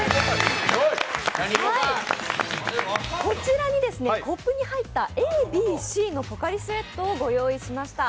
こちらにですね、コップに入ったＡ、Ｂ、Ｃのポカリスエットを用意しました。